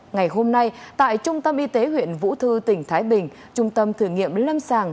ngày hôm nay tại trung tâm y tế huyện vũ thư tỉnh thái bình trung tâm thử nghiệm lâm sàng